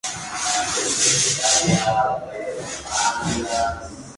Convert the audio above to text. El momento fue plasmado por Joe Rosenthal, fotógrafo de guerra de Associated Press.